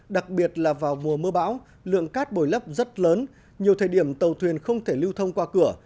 đặc biệt là vào mùa mưa bão lượng cát bồi lấp rất lớn nhiều thời điểm tàu thuyền không thể lưu thông qua cửa